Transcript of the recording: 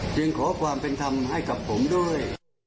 จึงขอความเป็นธรรมให้กับผมด้วย